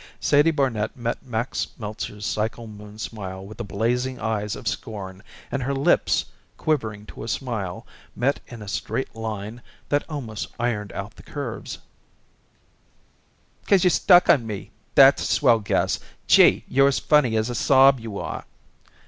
Sadie Barnet met Max Meltzer's cycle moon smile with the blazing eyes of scorn, and her lips, quivering to a smile, met in a straight line that almost ironed out the curves. "'Cause you're stuck on me! That's a swell guess. Gee! you're as funny as a sob, you are."